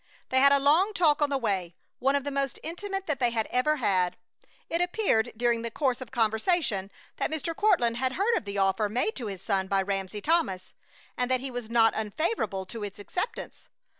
They had a long talk on the way, one of the most intimate that they had ever had. It appeared during the course of conversation that Mr. Courtland had heard of the offer made to his son by Ramsey Thomas, and that he was not unfavorable to its acceptance.